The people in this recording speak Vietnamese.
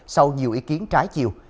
sau nhiều ý kiến trái chiều